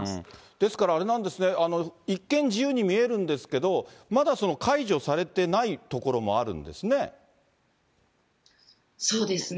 ですからあれなんですね、一見自由に見えるんですけど、まだその解除されてない所もあるんですね。